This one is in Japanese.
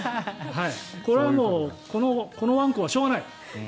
これはもう、このワンコはしょうがない。